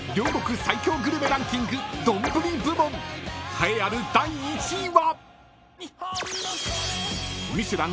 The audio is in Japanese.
［栄えある第１位は］